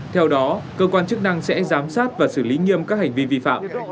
theo đó cơ quan chức năng sẽ giám sát và xử lý nghiêm các hành vi vi phạm